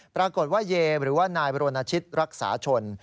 ปรากฏว่าเยหรือว่านายบรณชิตรักษาชน